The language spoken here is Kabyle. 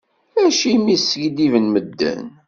Acimi i skiddiben medden?